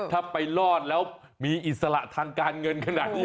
ถ้าไปรอดแล้วมีอิสระทางการเงินขนาดนี้